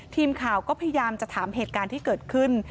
ทีมข่าวก็พยายามจะถามเหตุการณ์ที่เกิดขึ้น